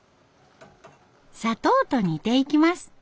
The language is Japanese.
砂糖と煮ていきます。